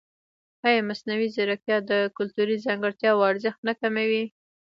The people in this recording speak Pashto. ایا مصنوعي ځیرکتیا د کلتوري ځانګړتیاوو ارزښت نه کموي؟